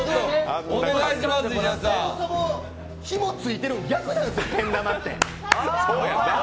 そもそもひも付いてるの逆なんですよ、けん玉って。